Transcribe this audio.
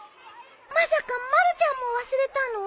まさかまるちゃんも忘れたの？